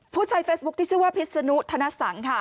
ผู้ใช้เฟซบุ๊คที่ชื่อว่าพิษนุธนสังค่ะ